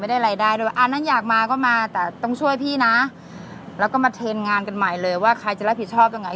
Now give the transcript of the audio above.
ได้รายได้ด้วยว่าอันนั้นอยากมาก็มาแต่ต้องช่วยพี่นะแล้วก็มาเทรนด์งานกันใหม่เลยว่าใครจะรับผิดชอบตรงไหน